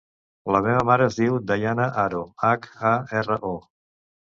La meva mare es diu Dayana Haro: hac, a, erra, o.